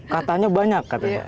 katanya banyak katanya